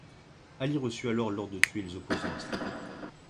Ali reçut alors l'ordre de tuer les opposants à ce traité.